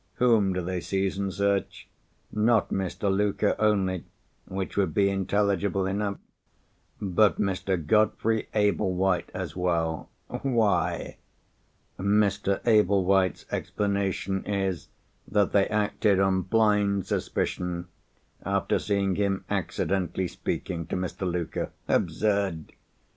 Whom do they seize and search? Not Mr. Luker only—which would be intelligible enough—but Mr. Godfrey Ablewhite as well. Why? Mr. Ablewhite's explanation is, that they acted on blind suspicion, after seeing him accidentally speaking to Mr. Luker. Absurd!